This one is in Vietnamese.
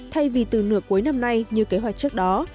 thay vì từ nửa cuối năm nay như kế hoạch trước đó